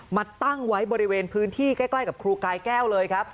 มาตั้งไว้บริเวณพื้นที่ใกล้กับครูกายแก้วเลยครับ